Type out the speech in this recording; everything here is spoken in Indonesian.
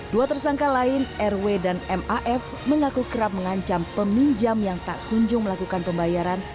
dua tersangka lain rw dan maf mengaku kerap mengancam peminjam yang tak kunjung melakukan pembayaran